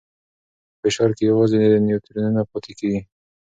په فشار کې یوازې نیوترونونه پاتې کېږي.